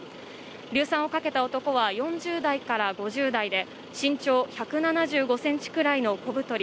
硫酸をかけた男は４０代から５０代で身長１７５ｃｍくらいの小太り。